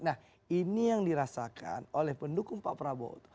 nah ini yang dirasakan oleh pendukung pak prabowo